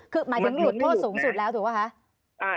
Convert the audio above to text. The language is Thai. คือหมายถึงหลุดโทษสูงสุดแล้วถูกป่ะคะ